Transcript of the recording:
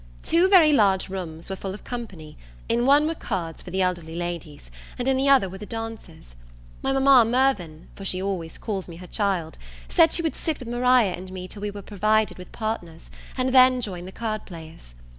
Two very large rooms were full of company; in one were cards for the elderly ladies, and in the other were the dancers. My mamma Mirvan, for she always calls me her child, said she would sit with Maria and me till we were provided with partners, and then join the card players.